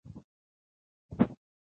استدلال لومړۍ برخې اړه ووايو.